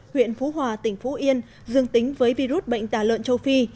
huyện phú hòa tỉnh phú yên dương tính với virus bệnh tả lợn châu phi